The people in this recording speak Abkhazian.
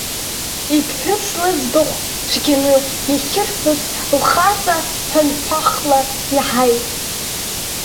Иԥҳәыс лыӡбахә цәгьаны иахырҳәоз лхаҵа ҳәанҳәахла иаҳаит.